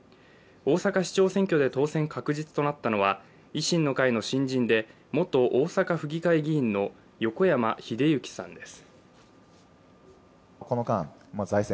大阪市長選挙で当選確実となったのは維新の会の新人で元大阪府議会議員の横山英幸さんです。